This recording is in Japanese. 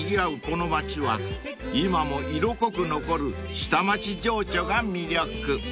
この町は今も色濃く残る下町情緒が魅力］